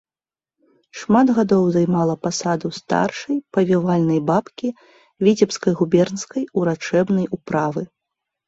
Шмат гадоў займала пасаду старшай павівальнай бабкі віцебскай губернскай урачэбнай управы.